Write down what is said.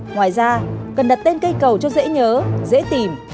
ngoài ra cần đặt tên cây cầu cho dễ nhớ dễ tìm